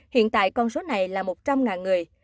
hiện tại con số này là một trăm linh người